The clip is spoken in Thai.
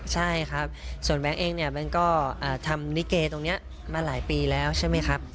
ใช่ครับส่วนแบงค์เองเนี่ยแบงค์ก็ทำลิเกตรงนี้มาหลายปีแล้วใช่ไหมครับ